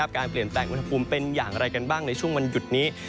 เปลี่ยนแปลงอุณหภูมิเป็นอย่างไรกันบ้างในช่วงวันหยุดนี้